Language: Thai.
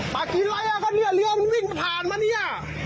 ปลากินเลยเหรอเรือมันวิ่งทางมาเนี่ย